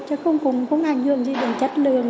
chứ không cũng không ảnh